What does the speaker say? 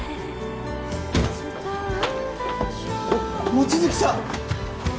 望月さん！